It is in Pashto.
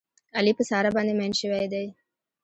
علي په ساره باندې مین شوی دی.